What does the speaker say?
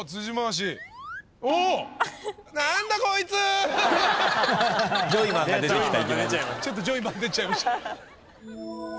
ちょっとジョイマン出ちゃいました。